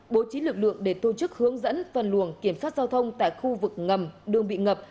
bố trí lực lượng để tổ chức hướng dẫn phân luồng kiểm soát giao thông tại khu vực ngầm đường bị ngập